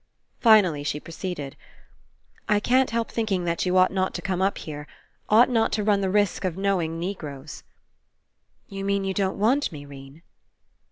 Finally she proceeded: "I can't help thinking that you ii6 RE ENCOUNTER ought not to come up here, ought not to run the risk of knowing Negroes." "You mean you don't want me, 'Rene?"